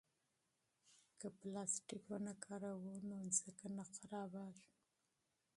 که پلاستیک ونه کاروو نو ځمکه نه خرابېږي.